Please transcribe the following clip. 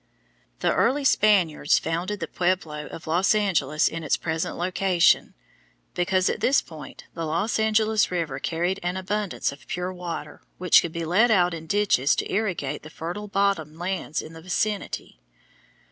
The early Spaniards founded the pueblo of Los Angeles in its present location, because at this point the Los Angeles River carried an abundance of pure water which could be led out in ditches to irrigate the fertile bottom lands in the vicinity.